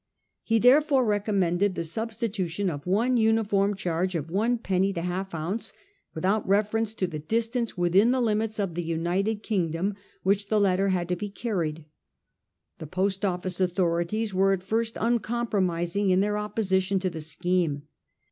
He there fore recommended the substitution of one uniform charge of one penny the half ounce, without reference to the distance within the limits of the United King dom which the letter had to be carried. The Post Office authorities were at first uncompromising in their opposition to the scheme.